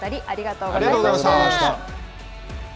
お二人、ありがとうございました。